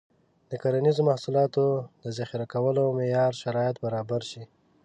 د کرنیزو محصولاتو د ذخیره کولو معیاري شرایط باید برابر شي.